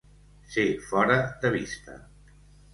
Ser fora de vista.